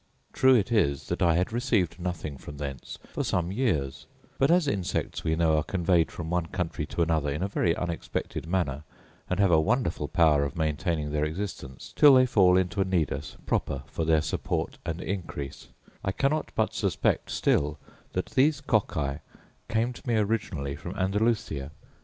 True it is that I had received nothing from thence for some years: but as insects, we know, are conveyed from one country to another in a very unexpected manner, and have a wonderful power of maintaining their existence till they fall into a nidus proper for their support and increase, I cannot but suspect still that these cocci came to me originally from Andalusia.